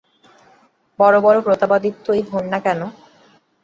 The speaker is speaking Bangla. যত বড় প্রতাপাদিত্যই হউন না কেন, তাঁহার হাত হইতে কাড়িয়া লইব।